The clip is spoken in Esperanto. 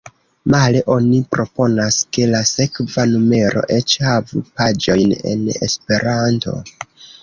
Male oni proponas, ke la sekva numero eĉ havu paĝojn en Esperanto.